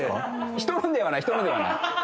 人のではない人のではない。